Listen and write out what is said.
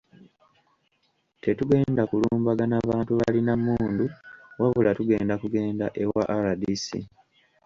Tetugenda kulumbagana bantu balina mmundu wabula tugenda kugenda ewa RDC